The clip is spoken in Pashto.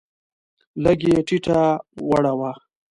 لږ یې ټیټه وړوه.